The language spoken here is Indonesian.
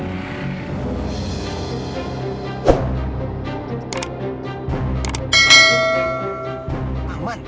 datanglah kabarnya om